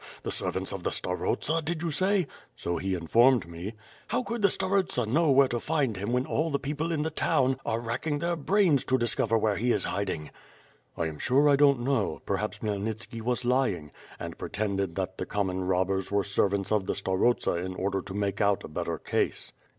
The servants of the star osta dia you say?" "So he informed me." *T5ow could the starosta know where to find him when all the people in the town are racking their brains to discover where he is hiding." "I am sure I don't know, perhaps Khmyelnitski was lying, and pretended that the common robbers were servants of the starosta in order to make out a better case."